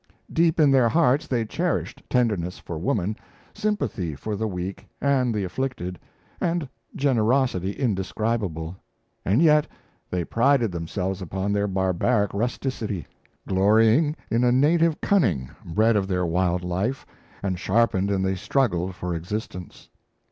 Deep in their hearts they cherished tenderness for woman, sympathy for the weak and the afflicted, and generosity indescribable. And yet they prided themselves upon their barbaric rusticity, glorying in a native cunning bred of their wild life and sharpened in the struggle for existence.